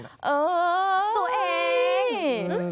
ตัวเอง